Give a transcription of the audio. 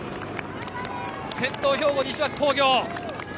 先頭は兵庫・西脇工業。